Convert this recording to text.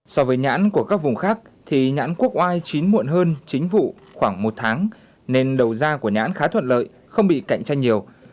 so với nhãn của các vùng khác thì nhãn quốc oai chín muộn hơn chính vụ khoảng một tháng nên đầu da của nhãn khá thuận lợi không bị cạnh tranh nhiều